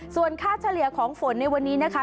ส่วนค่าเฉลี่ยของฝนในวันนี้นะคะ